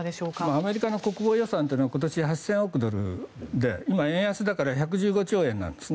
アメリカの国防予算は今年８０００億ドルで今、円安だから１１５兆円なんです。